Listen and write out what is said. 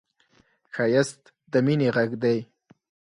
ښایست د مینې غږ دی